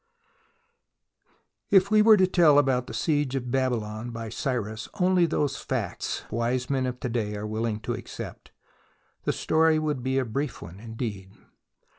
IF we were to tell about the siege of Babylon by Cyrus only those facts which wise men of to day are willing to accept, the story would be a brief one indeed.